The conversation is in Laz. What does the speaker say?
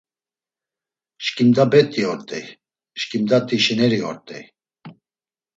Şǩimda bet̆i ort̆ey, şǩimda tişineri ort̆ey.